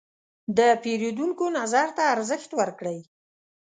د پیرودونکو نظر ته ارزښت ورکړئ.